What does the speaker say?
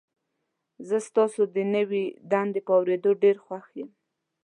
زه ستاسو د نوي دندې په اوریدو ډیر خوښ یم.